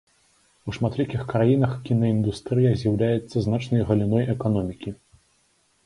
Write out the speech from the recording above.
У шматлікіх краінах кінаіндустрыя з'яўляецца значнай галіной эканомікі.